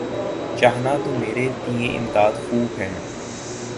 چاہنا تو مرے تئیں امداد خوب ہے۔